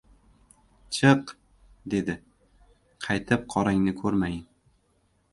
— Chiq! — dedi. — Qaytib qorangni ko‘rmayin!